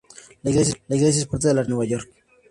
La iglesia es parte de la Arquidiócesis de Nueva York.